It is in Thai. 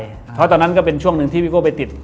เพราะตอนนั้นก็เป็นช่วงหนึ่งที่พี่โก้ไปติด